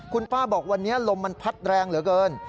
คุณป้าบอกวันนี้ลมมันพัดแรงเหลือเกิน